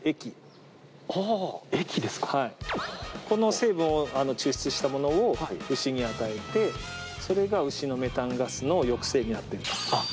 この成分を抽出したものを牛に与えてそれが牛のメタンガスの抑制になってると。